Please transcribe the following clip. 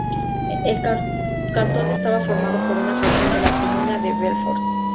El cantón estaba formado por una fracción de la comuna de Belfort.